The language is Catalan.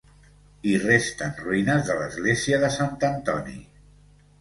Hi resten ruïnes de l'església de Sant Antoni.